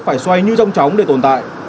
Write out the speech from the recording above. phải xoay như rong tróng để tồn tại